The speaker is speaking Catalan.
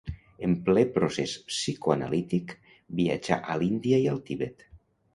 En ple procés psicoanalític viatjà a l'Índia i al Tibet.